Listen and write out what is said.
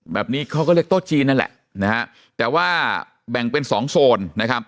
แบบนี้เขาก็เรียกโต๊ะจีนนั่นแหละนะฮะแต่ว่าแบ่งเป็นสองโซนนะครับ